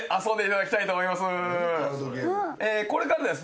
これからですね